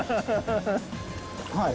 はい。